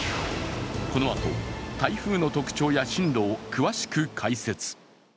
このあと、台風の特徴や進路を詳しく解説。